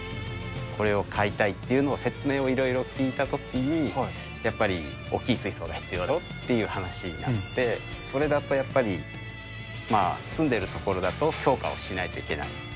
これをかいたいっていうのを説明をいろいろ聞いたときに、やっぱり大きい水槽が必要だよという話になって、それだとやっぱり、住んでる所だと評価をしないといけない。